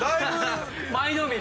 前のめり。